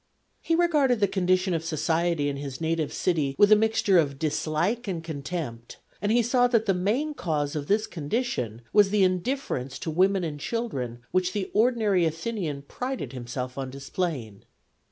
He regarded the condition of society in his native city with a mixture of dislike and contempt, and he saw that the main cause of this condition was the indifference to women and children which the ordinary Athenian prided himself on displaying.